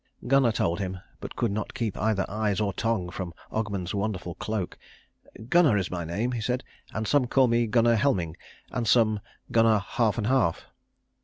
Gunnar told him but could not keep either eyes or tongue from Ogmund's wonderful cloak. "Gunnar is my name," he said, "and some call me Gunnar Helming, and some Gunnar Half and Half."